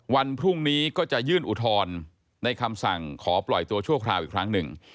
วันพรุ่งนี้ก็จะยื่นอุทธรณ์ในคำสั่งขอปล่อยตัวชั่วคราวอีกครั้งหนึ่ง